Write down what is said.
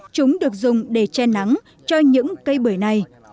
chúng được dùng để che nắng cho những cây bưởi này